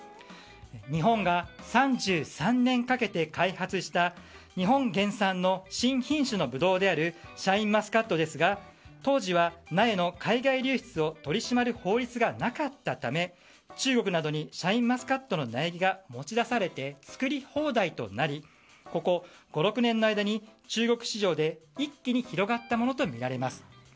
日本が３３年かけて開発した日本原産の新品種のブドウであるシャインマスカットですが当時は苗の海外流出を取り締まる法律がなかったため中国などにシャインマスカットの苗木が持ち出されて、作り放題となりここ、５６年の間に中国市場で一気に広がったものとみられます。